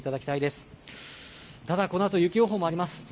ただこのあと雪予報もあります。